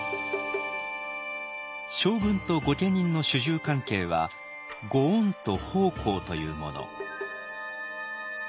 将軍と御家人の主従関係は「御恩と奉公」というもの。